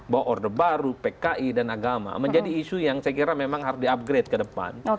bahwa order baru pki dan agama menjadi isu yang saya kira memang harus di upgrade ke depan